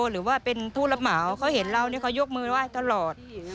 หรือว่าเป็นผู้รับเหมาเขาเห็นเรานี่เขายกมือไหว้ตลอด